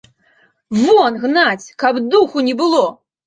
Вон гнаць, каб духу не было!